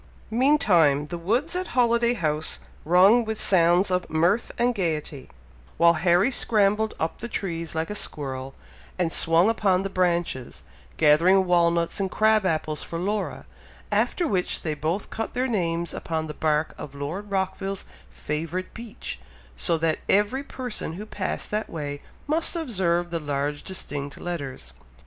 Meantime, the woods at Holiday House rung with sounds of mirth and gaiety, while Harry scrambled up the trees like a squirrel, and swung upon the branches, gathering walnuts and crab apples for Laura, after which they both cut their names upon the bark of Lord Rockville's favourite beech, so that every person who passed that way must observe the large distinct letters.